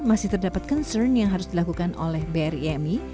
catur dapat concern yang harus dilakukan oleh bri mi